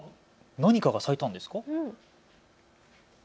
何かが咲いたんですか。